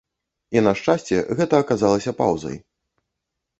І на шчасце, гэта аказалася паўзай.